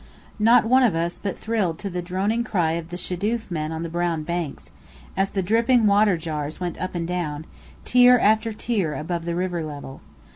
Not one of us but thrilled to the droning cry of the shadoof men on the brown banks, as the dripping water jars went up and up, tier after tier above the river level.